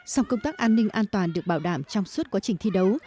song công tác an ninh an toàn được bảo đảm trong suốt quá trình thi đấu